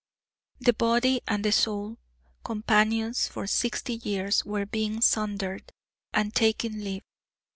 The body and the soul companions for sixty years were being sundered, and taking leave.